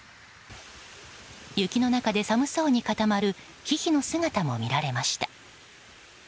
雪の中で寒そうに固まるヒヒの姿も見られました。